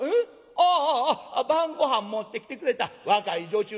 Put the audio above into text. ああ晩ごはん持ってきてくれた若い女中さんやな。